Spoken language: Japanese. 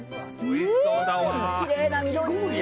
おいしそうだわ。